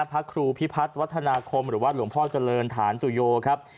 พระครูพิพัฒน์วัฒนาคมหรือว่าหลวงพ่อเจริญฐานตุโยครับ